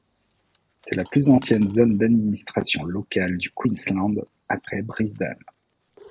C'est la plus ancienne zone d'administration locale du Queensland après Brisbane.